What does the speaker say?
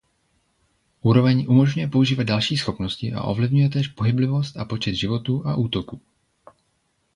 Úroveň umožňuje používat další schopnosti a ovlivňuje též pohyblivost a počet životů a útoků.